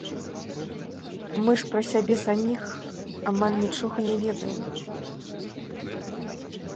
Мы ж пра сябе саміх амаль нічога не ведаем.